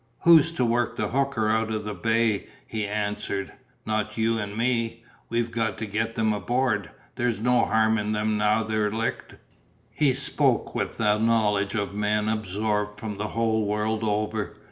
"Who's to work the hooker out of the bay?" he answered, "Not you and me. We've got to get them aboard. There's no harm in them now they're licked." He spoke with a knowledge of men absorbed from the whole world over.